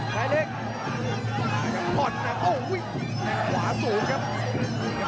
ชายเล็กพอดนะโอ้อุ๊ยขวาสูงครับ